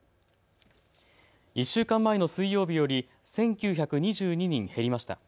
１週間前の水曜日より１９２２人減りました。